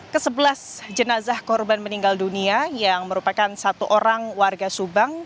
ke sebelas jenazah korban meninggal dunia yang merupakan satu orang warga subang